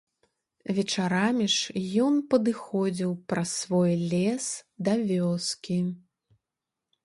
Вечарамі ж ён падыходзіў праз свой лес да вёскі.